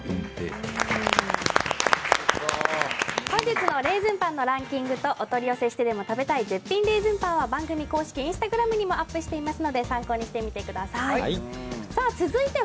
本日のレーズンパンのらんきんぐとお取り寄せしてでも食べたい絶品レーズンパンは番組公式Ｉｎｓｔａｇｒａｍにもアップしていますので参考にしてみてください。